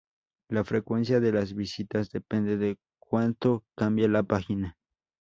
La frecuencia de las visitas depende de cuánto cambia la página.